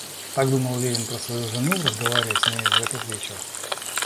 Так думал Левин про свою жену, разговаривая с ней в этот вечер.